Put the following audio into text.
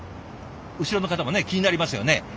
後ろの方もね気になりますよね。